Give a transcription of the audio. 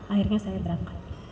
akhirnya saya berangkat